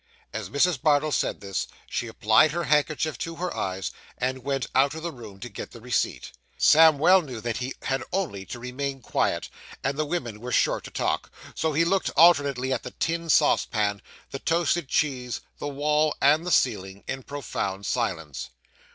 As Mrs. Bardell said this, she applied her handkerchief to her eyes, and went out of the room to get the receipt. Sam well knew that he had only to remain quiet, and the women were sure to talk; so he looked alternately at the tin saucepan, the toasted cheese, the wall, and the ceiling, in profound silence.